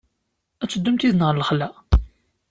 Ad teddumt yid-neɣ ɣer lexla?